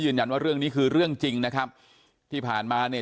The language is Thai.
เรื่องนี้คือเรื่องจริงนะครับที่ผ่านมาเนี่ย